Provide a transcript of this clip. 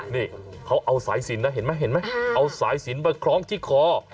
นี่เขาเอาสายสินนะเห็นไหมเห็นไหมเอาสายสินมาคล้องที่คอ